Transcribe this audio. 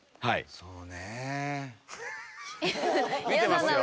そうね。